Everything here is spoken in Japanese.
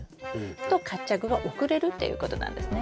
と活着が遅れるということなんですね。